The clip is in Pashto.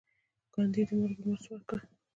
ګاندي د مالګې مارچ وکړ.